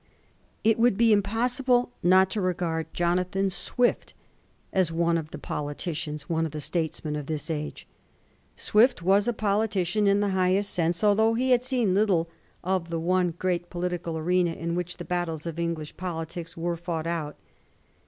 It would be impossible not to regard Jonathan Digiti zed by Google 17U THE DEAN OF ST. PATRICKS. 45^ Swift as one of the politicians, one of the statesmen, of this age. Swift was a politician in the highest sense, although he had seen little of the one great political arena in which the battles of English parties were fought out.